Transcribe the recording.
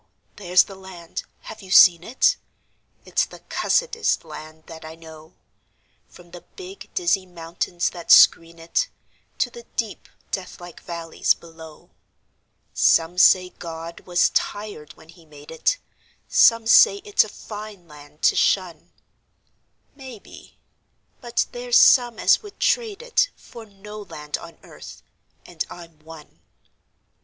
There's the land. (Have you seen it?) It's the cussedest land that I know, From the big, dizzy mountains that screen it To the deep, deathlike valleys below. Some say God was tired when He made it; Some say it's a fine land to shun; Maybe; but there's some as would trade it For no land on earth and I'm one.